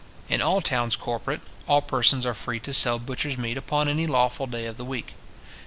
In all towns corporate, all persons are free to sell butchers' meat upon any lawful day of the week.